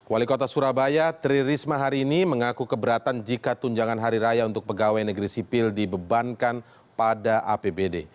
wali kota surabaya tri risma hari ini mengaku keberatan jika tunjangan hari raya untuk pegawai negeri sipil dibebankan pada apbd